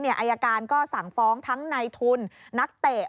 อายการก็สั่งฟ้องทั้งในทุนนักเตะ